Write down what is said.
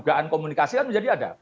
dugaan komunikasi kan menjadi ada